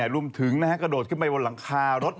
รวมถึงกระโดดขึ้นไปบนหลังคารถ